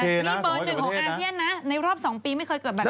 มีเปิดหนึ่งของอาเซียนนะในรอบสองปีไม่เคยเกิดแบบนั้นเมื่อก่อน